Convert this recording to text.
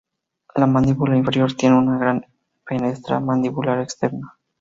La mandíbula inferior tiene una gran fenestra mandibular externa.